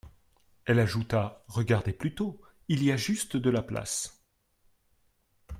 Elle ajouta : Regardez plutôt, il y a juste de la place.